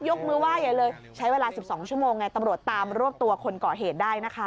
ยกมือไหว้ใหญ่เลยใช้เวลา๑๒ชั่วโมงไงตำรวจตามรวบตัวคนก่อเหตุได้นะคะ